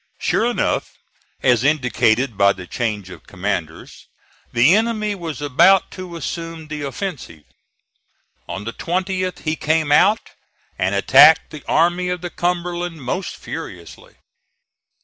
Sure enough, as indicated by the change of commanders, the enemy was about to assume the offensive. On the 20th he came out and attacked the Army of the Cumberland most furiously.